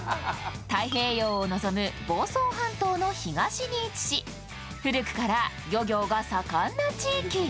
太平洋を臨む房総半島の東に位置し古くから漁業が盛んな地域。